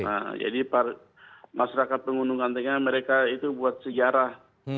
nah jadi masyarakat pegunungan tengah mereka itu buat sejarah